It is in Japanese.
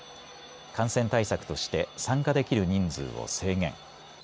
感染対策として参加できる人数を制限。